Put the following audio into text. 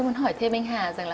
tôi muốn hỏi thêm anh hà